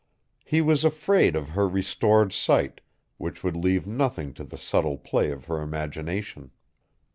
He was afraid of her restored sight, which would leave nothing to the subtle play of her imagination.